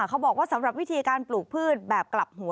เขาบอกว่าสำหรับวิธีการปลูกพืชแบบกลับหัว